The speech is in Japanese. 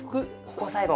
ここを最後。